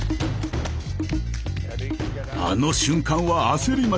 あの瞬間は焦りました。